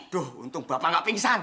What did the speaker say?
duh untung bapak nggak pingsan